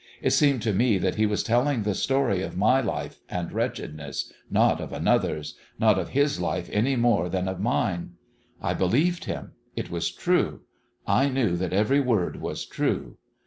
It seemed to me that he was telling the story of my life and wretchedness not of another's not of his life any more than of mine. I believed him. It was true. I knew that every word was true.